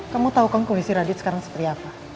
kamu tahu kan kondisi radit sekarang seperti apa